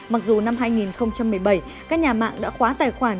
mặc dù năm hai nghìn một mươi bảy các nhà mạng đã khóa tài khoản